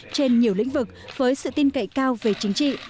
trên nhiều lĩnh vực với sự tin cậy cao về chính trị